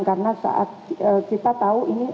karena saat kita tahu ini